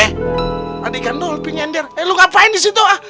eh ada gandol pinjender eh lo ngapain di situ ha